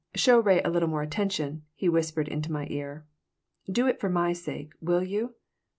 Show Ray a little more attention," he whispered into my ear. "Do it for my sake. Will you?"